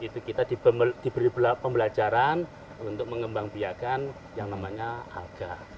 itu kita diberi pembelajaran untuk mengembang biakan yang namanya alga